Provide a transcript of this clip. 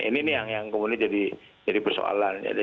ini nih yang kemudian jadi persoalan